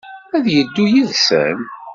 Ad yeddu yid-sen?